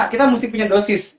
kita mesti punya dosis